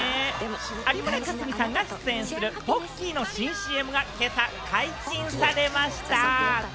有村架純さんが出演するポッキーの新ＣＭが今朝、解禁されました。